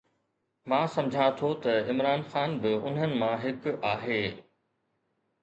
مان سمجهان ٿو ته عمران خان به انهن مان هڪ آهي.